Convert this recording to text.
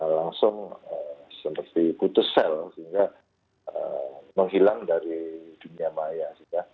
langsung seperti putus sel sehingga menghilang dari dunia maya